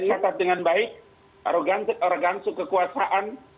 saya disatakan dengan baik arogansi kekuasaan